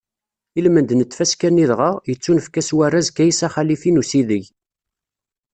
I lmend n tfaska-nni dɣa, yettunefk-ak warraz Kaysa Xalifi n usideg.